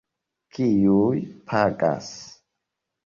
Kiuj pagas?